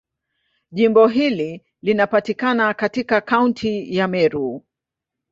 Jimbo hili linapatikana katika Kaunti ya Meru.